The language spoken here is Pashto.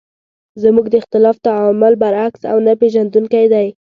زموږ د اختلاف تعامل برعکس او نه پېژندونکی دی.